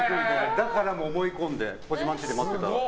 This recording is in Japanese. だから思い込んで児嶋んちで待ってたら。